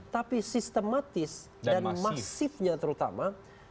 tapi sistematis dan masifnya terutama